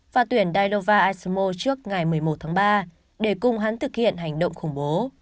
và tuyển daillova ismo trước ngày một mươi một tháng ba để cùng hắn thực hiện hành động khủng bố